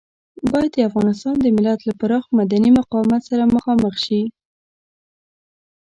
بايد د افغانستان د ملت له پراخ مدني مقاومت سره مخامخ شي.